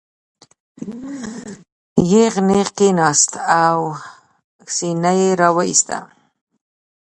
یغ نېغ کېناست او سینه یې را وویسته.